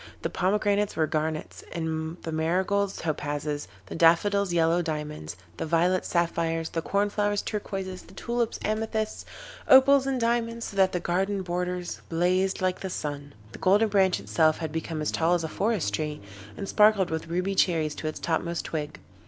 The pomegranates were garnets, the marigolds topazes, the daffodils yellow diamonds, the violets sapphires, the corn flowers turquoises, the tulips amethysts, opals and diamonds, so that the garden borders blazed like the sun. The Golden Branch itself had become as tall as a forest tree, and sparkled with ruby cherries to its topmost twig.